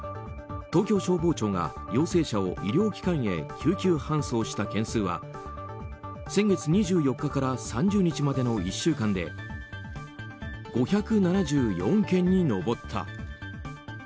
東京消防庁が陽性者を医療機関へ救急搬送した件数は先月２４日から３０日までの１週間で５７４件に上った。